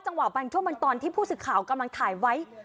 บางช่วงบางตอนที่ผู้สื่อข่าวกำลังถ่ายไว้